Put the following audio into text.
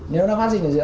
nếu nó phát sinh ở giữa